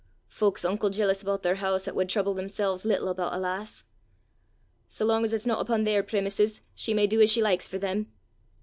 Fowk 's unco jealous about their hoose 'at wad trouble themsel's little aboot a lass! Sae lang as it's no upo' their premises, she may do as she likes for them!